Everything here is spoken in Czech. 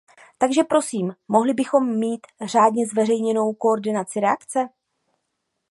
Takže prosím, mohli bychom mít řádně zveřejněnou koordinaci reakce?